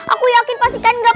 aku yakin pasti kan gak pernah